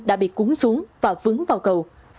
đã bị cuốn xuống và vướng vào cầu